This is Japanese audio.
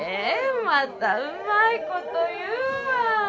またうまいこと言うわ。